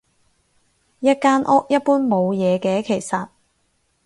一間屋，一般冇嘢嘅其實